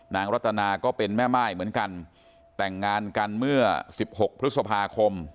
รัตนาก็เป็นแม่ม่ายเหมือนกันแต่งงานกันเมื่อสิบหกพฤษภาคม